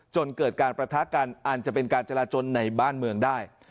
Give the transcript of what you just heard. จนเกิดการประทะกันอาจจะเป็นการจราจนในบ้านเมืองได้